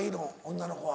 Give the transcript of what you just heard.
女の子は。